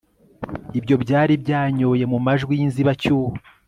ibyo byari byanyoye mumajwi yinzibacyuho